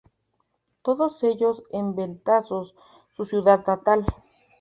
Todos ellos, en Betanzos, su ciudad natal.